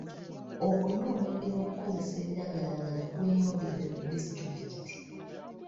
Okunywa omwenge n'okukozesa ebiragalalagala kweyongedde mu disitulikiti.